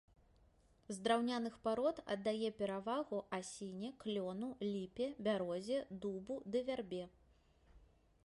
З драўняных парод аддае перавагу асіне, клёну, ліпе, бярозе, дубу ды вярбе.